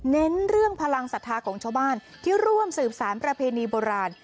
เน้นเรื่องพลังศรัทธาของชาวบ้านที่ร่วมสืบสารประเพณีโบราณ